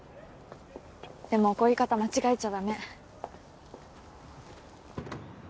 でも怒り方間違えちゃだめ。